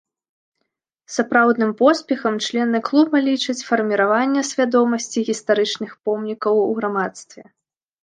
Сапраўдным поспехам члены клуба лічаць фарміраванне свядомасці гістарычных помнікаў у грамадстве.